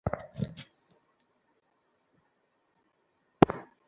জয়িতাদের দেখে অন্য নারীরা অনুপ্রাণিত হলে ঘরে ঘরে জয়িতা সৃষ্টি হবে।